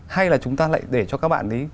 hay là chúng ta lại để cho các bạn